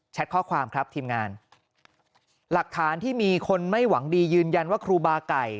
ข้อความครับทีมงานหลักฐานที่มีคนไม่หวังดียืนยันว่าครูบาไก่